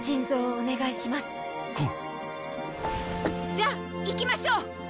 じゃあ行きましょう！